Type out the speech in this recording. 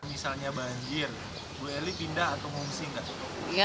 misalnya banjir bu eli pindah atau mengungsi nggak